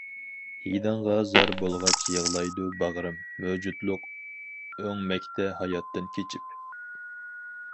ھىدىڭغا زار بولغاچ يىغلايدۇ باغرىم، مەۋجۇتلۇق ئۆڭمەكتە ھاياتتىن كېچىپ.